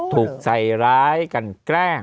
ถูกใส่ร้ายกันแกล้ง